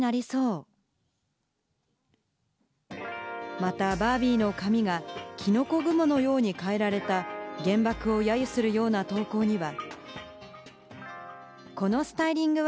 また『バービー』の髪がキノコ雲のように変えられた原爆をやゆするような投稿には。